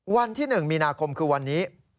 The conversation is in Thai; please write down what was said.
วันที่๑มีนาคมคือวันนี้